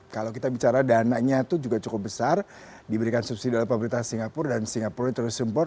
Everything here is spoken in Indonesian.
kalau kita bicara dananya itu juga cukup besar diberikan subsidi oleh pemerintah singapura dan singapura itu harus import